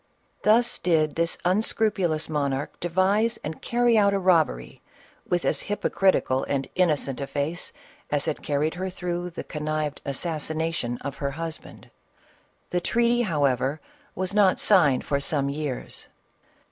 Thus did this unscrupulous monarch devise and carry out a robbery, with as hypocritical and in nocent a face as had carried her through the connived assassination of her husband. The treaty, however, was not signed for some years.